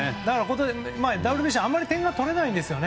ＷＢＣってあまり点が取れないんですよね。